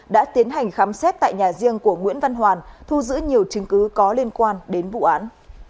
đã tiến hành khám xét tại nhà riêng của nguyễn văn hoàn thu giữ nhiều chứng cứ có liên quan đến vụ án